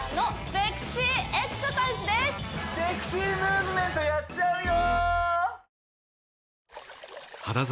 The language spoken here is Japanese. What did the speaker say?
セクシームーブメントやっちゃうよ！